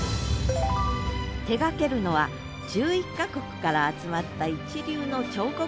手がけるのは１１か国から集まった一流の彫刻家たち。